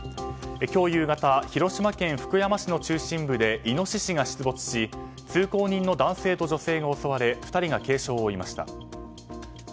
今日夕方広島県福山市の中心部でイノシシが出没し通行人の男性と女性が襲われ２人が軽傷を負いました。